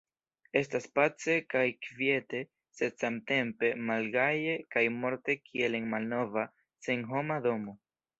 Estas pace kaj kviete sed samtempe malgaje kaj morte kiel en malnova, senhoma domo.